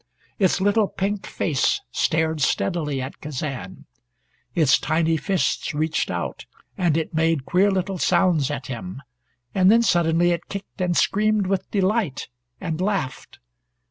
Its little pink face stared steadily at Kazan. Its tiny fists reached out, and it made queer little sounds at him, and then suddenly it kicked and screamed with delight and laughed.